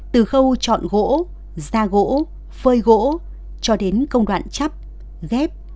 từ khâu chọn gỗ ra gỗ phơi gỗ cho đến công đoạn chấp ghép